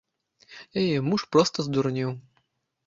Яе муж проста здурнеў.